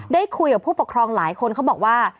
ได้คุยกับผู้ปกครองหลายคนเขาบอกว่า